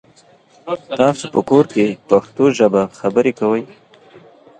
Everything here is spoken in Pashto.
تاسو په کور کې پښتو ژبه خبري کوی؟